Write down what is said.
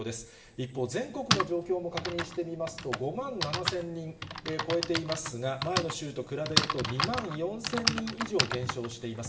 一方、全国の状況も確認してみますと、５万７０００人超えていますが、前の週と比べると２万４０００人以上減少しています。